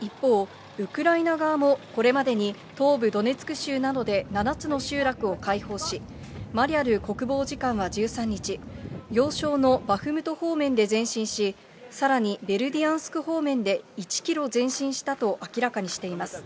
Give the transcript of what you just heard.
一方、ウクライナ側も、これまでに東部ドネツク州などで７つの集落を解放し、マリャル国防次官は１３日、要衝のバフムト方面で前進し、さらにベルディアンスク方面で１キロ前進したと明らかにしています。